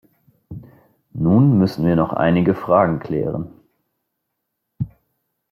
Nun müssen wir noch einige Fragen klären.